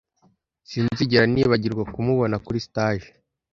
Sinzigera nibagirwa kumubona kuri stage.